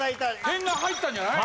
点が入ったんじゃない？